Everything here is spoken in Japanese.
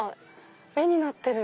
絵になってる。